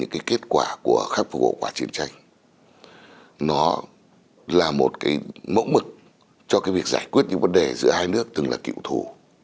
cái kết quả của khắc phục hậu quả chiến tranh nó là một cái mẫu mực cho cái việc giải quyết những vấn đề giữa hai nước từng là cựu thù